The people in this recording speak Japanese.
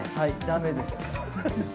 だめです。